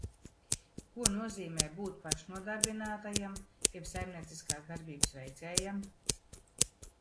Ko nozīmē būt pašnodarbinātajam jeb saimnieciskās darbības veicējam?